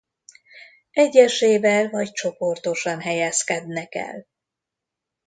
Egyesével vagy csoportosan helyezkednek el.